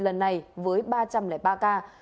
lần này với ba trăm linh ba ca